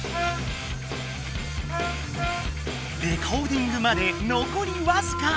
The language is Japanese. レコーディングまでのこりわずか！